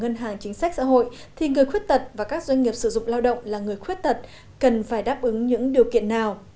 ngân hàng chính sách xã hội thì người khuyết tật và các doanh nghiệp sử dụng lao động là người khuyết tật cần phải đáp ứng những điều kiện nào